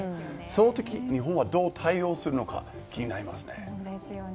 その時、日本はどう対応するのか気になりますね。